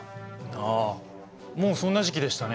ああもうそんな時期でしたね。